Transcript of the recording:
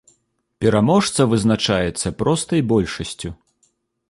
Пераможца вызначаецца простай большасцю.